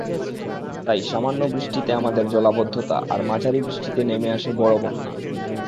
তাই সামান্য বৃষ্টিতে আমাদের জলাবদ্ধতা আর মাঝারি বৃষ্টিতে নেমে আসে বড় বন্যা।